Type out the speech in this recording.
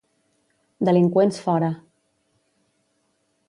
Delinqüents fora.